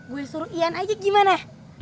gue suruh ian aja gimana